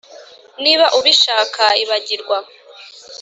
niba ubishaka, ibagirwa.